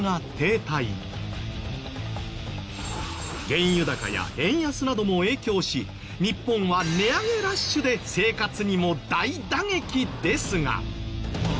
原油高や円安なども影響し日本は値上げラッシュで生活にも大打撃ですが。